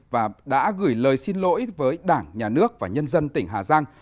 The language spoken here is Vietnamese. và đã gửi lời xin lỗi với đảng nhà nước và nhân dân tỉnh hà giang